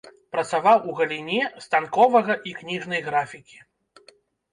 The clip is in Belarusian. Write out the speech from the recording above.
Працаваў у галіне станковага і кніжнай графікі.